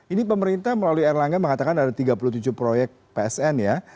ini pemerintah melalui erlangga mengatakan ada tiga puluh tujuh proyek psn ya